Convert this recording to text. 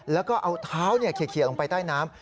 แล้วก็เอาเท้าเขียลงไปใต้น้ำ